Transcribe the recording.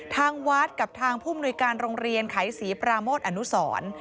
ทางวัดกับทางผู้มนุยการโรงเรียนไขศรีปราโมทอนุสร